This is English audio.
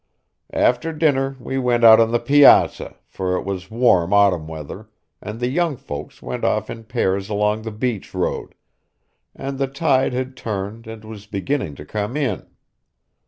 After dinner we went out on the piazza, for it was warm autumn weather; and the young folks went off in pairs along the beach road, and the tide had turned and was beginning to come in.